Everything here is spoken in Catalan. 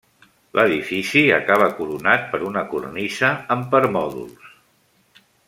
L'edifici acaba coronat per una cornisa amb permòdols.